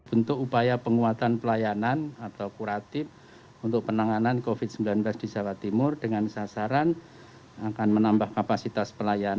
untuk upaya penguatan pelayanan atau kuratif untuk penanganan covid sembilan belas di jawa timur dengan sasaran akan menambah kapasitas pelayanan